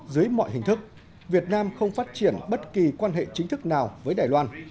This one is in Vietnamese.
dưới mọi hình thức việt nam không phát triển bất kỳ quan hệ chính thức nào với đài loan